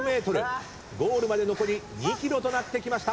ゴールまで残り２ｋｍとなってきました。